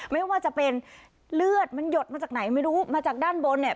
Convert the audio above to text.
ไม่ว่าจะเป็นเลือดมันหยดมาจากไหนไม่รู้มาจากด้านบนเนี่ย